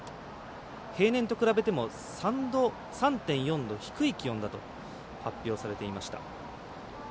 平年と比べても３．４度低い気温だと発表されていました。